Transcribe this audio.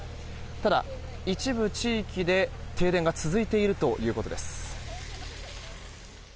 ただ、一部地域で停電が続いているということです。